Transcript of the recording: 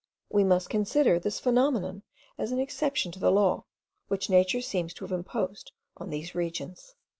we must consider this phenomenon as an exception to the law, which nature seems to have imposed on these regions.